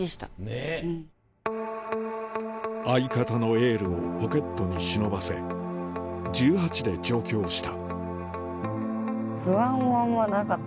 相方のエールをポケットに忍ばせ１８で上京した